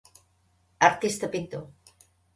Artista pintor.